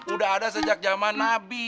udah ada sejak zaman nabi